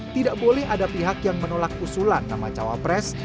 tidak boleh ada pihak yang menolak usulan nama cawapres